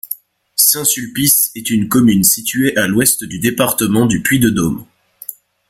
Saint-Sulpice est une commune située à l'ouest du département du Puy-de-Dôme.